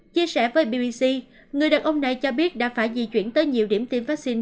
chia sẻ với bbc người đàn ông này cho biết đã phải di chuyển tới nhiều điểm tiêm vaccine